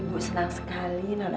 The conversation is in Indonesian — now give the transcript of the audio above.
ibu senang sekali nona